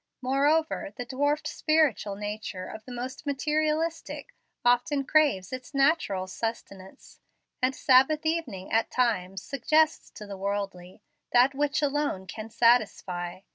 Moreover the dwarfed spiritual nature of the most materialistic often craves its natural sustenance; and Sabbath evening at times suggests to the worldly that which alone can satisfy.